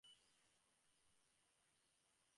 লোকের কোন না কোন আকারে একটি ব্যক্তিভাবাপন্ন ঈশ্বর চাই।